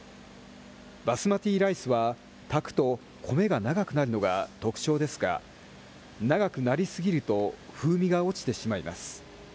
バスマティライスは、炊くと米が長くなるのが特徴ですが、長くなりすぎると風味が落ちてしまいます。